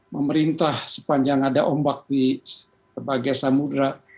memerintah sepanjang ada ombak di berbagai samudera